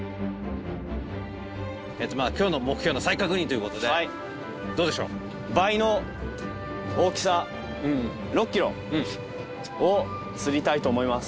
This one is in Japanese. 今日の目標の再確認ということでどうでしょう？を釣りたいと思います。